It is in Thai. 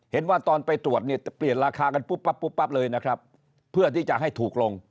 เห็นว่าตอนไปตรวจเนี่ยเปลี่ยนราคากันปุ๊บปั๊บปุ๊บปั๊บเลยนะครับเพื่อที่จะให้ถูกลง